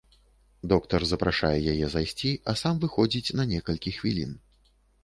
Доктар запрашае яе зайсці, а сам выходзіць на некалькі хвілін.